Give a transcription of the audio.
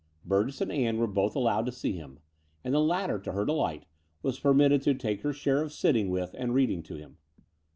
Burgess and Aim were both allowed to see him; and the latter, to her delight, was per mitted to take her share of sitting with and reading to him.